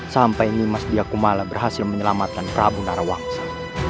sampai nimas diakumala berhasil menyelamatkan prabu narawangsa